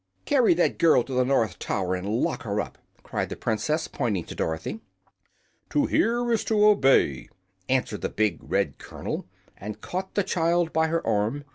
"Carry that girl to the North Tower and lock her up!" cried the Princess, pointing to Dorothy. "To hear is to obey," answered the big red colonel, and caught the child by her arm.